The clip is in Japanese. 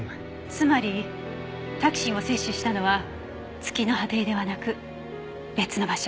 つまりタキシンを摂取したのは月葉亭ではなく別の場所。